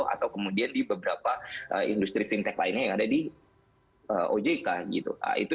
atau kemudian di beberapa industri fintech lainnya yang ada di ojk gitu